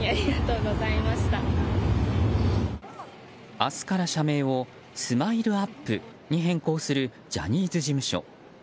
明日から社名をＳＭＩＬＥ‐ＵＰ．に変更するジャニーズ事務所。